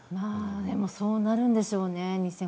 そうなるんでしょうね。